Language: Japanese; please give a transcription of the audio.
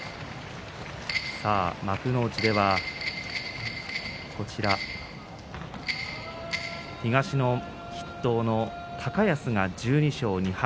幕内では東の筆頭の高安が１２勝２敗。